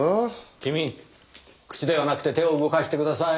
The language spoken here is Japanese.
君口ではなくて手を動かしてください。